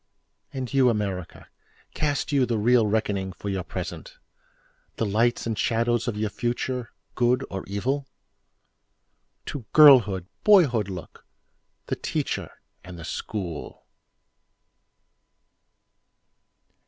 And you, America, Cast you the real reckoning for your present? The lights and shadows of your future—good or evil? To girlhood, boyhood look—the Teacher and the School.